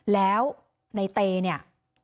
แล้วในเตเนี่ย